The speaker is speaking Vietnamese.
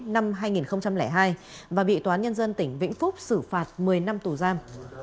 năm hai nghìn hai và bị toán nhân dân tỉnh vĩnh phúc xử phạt một mươi năm tù giam